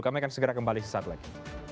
kami akan segera kembali sesaat lagi